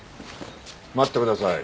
待ってください。